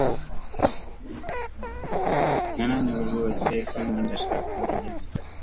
Ndananiwe rwose kandi ndashaka kuryama kare